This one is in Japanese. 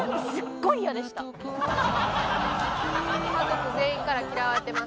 家族全員から嫌われてます